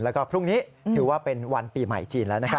แล้วก็พรุ่งนี้ถือว่าเป็นวันปีใหม่จีนแล้วนะครับ